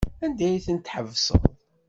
Anda ay tent-tḥebseḍ?